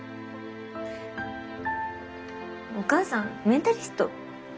お母さんメンタリスト？